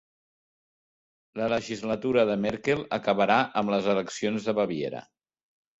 La legislatura de Merkel acabarà amb les eleccions de Baviera